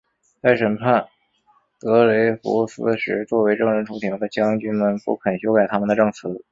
在审判德雷福斯时作为证人出庭的将军们不肯修改他们的证词。